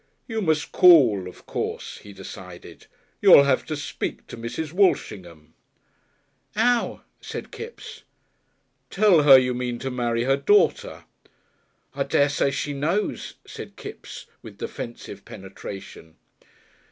"You must call, of course," he decided. "You'll have to speak to Mrs. Walshingham." "'Ow?" said Kipps. "Tell her you mean to marry her daughter." "I dessay she knows," said Kipps, with defensive penetration.